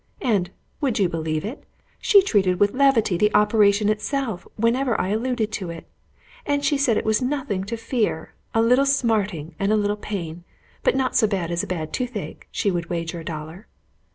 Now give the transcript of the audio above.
And, would you believe it? she treated with levity the operation itself whenever I alluded to it, and said that it was nothing to fear a little smarting and a little pain, but not so bad as a bad toothache, she would wager a dollar.